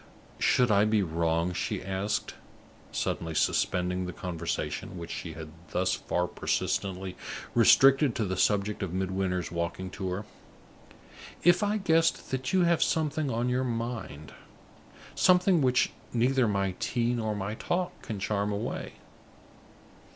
"Should I be wrong," she asked, suddenly suspending the conversation which she had thus far persistently restricted to the subject of Midwinter's walking tour, "if I guessed that you have something on your mind something which neither my tea nor my talk can charm away?